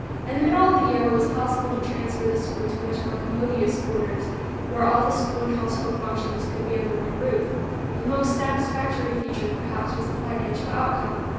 In the middle of the year it was possible to transfer the school to much more commodious quarters, where all school and household functions could be under one roof. The most satisfactory feature, perhaps, was the financial outcome.